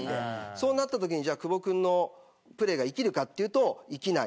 そんなときに久保君のプレーが生きるかというと生きない。